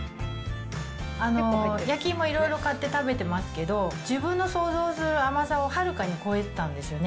焼き芋いろいろ買って食べてますけど、自分の想像する甘さをはるかに超えてたんですよね。